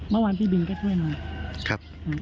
เมื่อวานพี่บินก็ช่วยมา